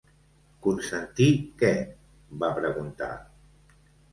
"¿Consentir què?", va preguntar.